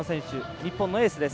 日本のエースです